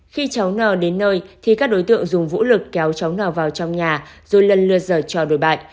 khi cháu n đến nơi các đối tượng dùng vũ lực kéo cháu n vào trong nhà rồi lần lượt dở cho đối bại